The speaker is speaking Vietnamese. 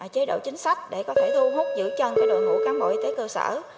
chế độ chính sách để có thể thu hút giữ chân đội ngũ cán bộ y tế cơ sở